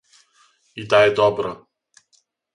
И да је добро.